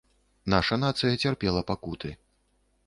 Наша нацыя цярпела пакуты.